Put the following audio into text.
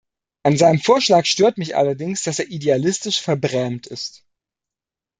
An seinem Vorschlag stört mich allerdings, dass er idealistisch verbrämt ist.